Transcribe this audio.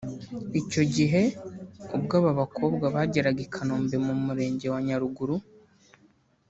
Icyo gihe ubwo aba bakobwa bageraga i Kanombe mu murenge wa Nyarugunga